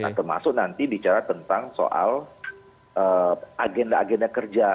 nah termasuk nanti bicara tentang soal agenda agenda kerja